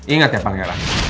ingat ya pangeran